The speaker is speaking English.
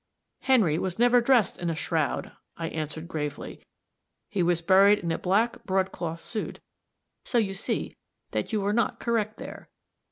"Henry was never dressed in a shroud," I answered, gravely; "he was buried in a black broadcloth suit. So you see that you were not correct there."